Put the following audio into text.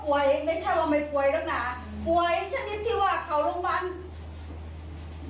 เขาป่วยไม่ใช่ว่าไม่ป่วยแล้วกน่ะป่วยชนิดที่ว่าเขาโรงพันธุ์